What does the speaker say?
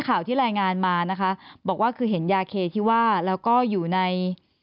ข่าวที่รายงานมานะคะบอกว่าคือเห็นยาเคที่ว่าแล้วก็อยู่ใน